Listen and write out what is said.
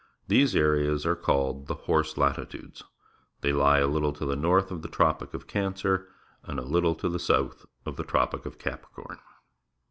, These areas are called the Hor se Latitudes. They lie a little to the north of the Tropic of Cancer and a little to the south of the the Tropic of Capricorn.